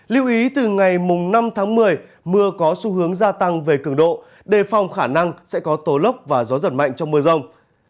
lưu ý từ ngày năm tháng một mươi mưa có xu hướng gia tăng về cường độ đề phòng khả năng sẽ có tố lốc và gió giật mạnh trong mưa rông